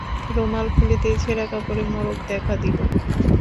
রুমাল খুলিতেই ছেঁড়া কাপড়ের মোড়ক দেখা দিল।